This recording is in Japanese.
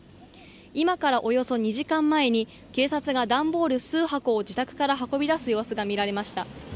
今からおよそ２時間前に警察が段ボール数箱を自宅から運び出す様子が見られました。